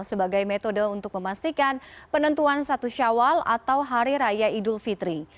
sebagai metode untuk memastikan penentuan satu syawal atau hari raya idul fitri